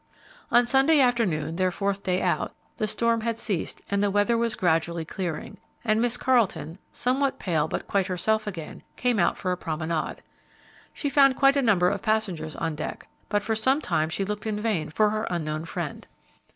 On Sunday afternoon, their fourth day out, the storm had ceased and the weather was gradually clearing, and Miss Carleton, somewhat pale but quite herself again, came out for a promenade. She found quite a number of passengers on deck, but for some time she looked in vain for her unknown friend.